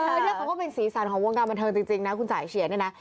เพราะฉะนั้นเขาก็เป็นศีลสารของวงการบันเทิงจริงนะคุณสายเชียร์เนี่ยนะ